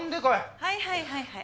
はいはいはいはい。